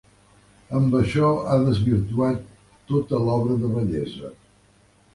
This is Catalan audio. Amb això ha desvirtuat tota l'obra de bellesa